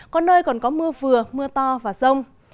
có nơi còn có mưa vừa mưa to và rông